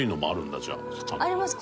あります。